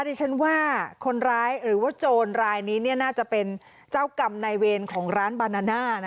ดิฉันว่าคนร้ายหรือว่าโจรรายนี้น่าจะเป็นเจ้ากรรมในเวรของร้านบานาน่า